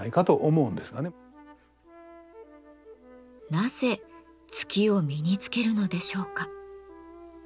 なぜ月を身につけるのでしょうか。